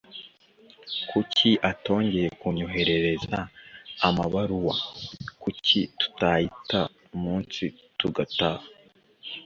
Kuki atongeye kunyoherereza amabaruwa? Kuki tutayita umunsi tugataha?